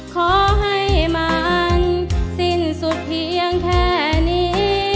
ขอให้มันสิ้นสุดเพียงแค่นี้